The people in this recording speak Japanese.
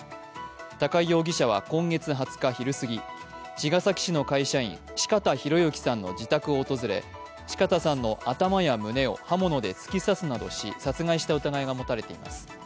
高井容疑者は今月２０日昼すぎ、茅ヶ崎市の会社員・四方洋行さんの自宅を訪れ四方さんの頭や胸を刃物で突き刺すなどし殺害した疑いが持たれています。